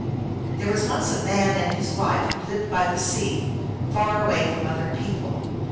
There was once a man and his wife who lived by the sea, far away from other people.